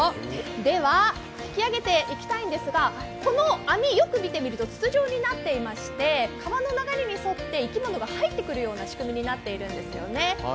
では、引き揚げていきたいんですがこの網、よく見てみると筒状になっていまして、川の流れに沿って生き物が入ってくるような仕組みになっているんですよね。